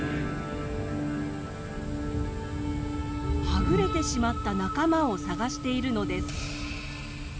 はぐれてしまった仲間を捜しているのです。